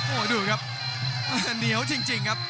โอ้โหดูครับเหนียวจริงครับ